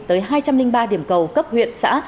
tới hai trăm linh ba điểm cầu cấp huyện xã